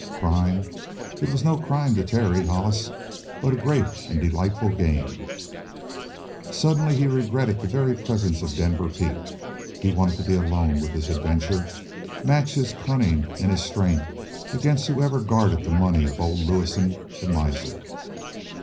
Crime? It was no crime to Terry Hollis, but a great and delightful game. Suddenly he regretted the very presence of Denver Pete. He wanted to be alone with this adventure, match his cunning and his strength against whoever guarded the money of old Lewison, the miser.